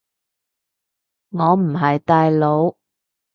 我唔係大佬